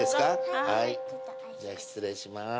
はいじゃあ失礼します